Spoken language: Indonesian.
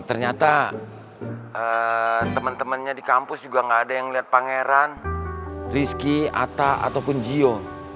ternyata temen temennya di kampus juga nggak ada yang lihat pangeran rizky ata ataupun gio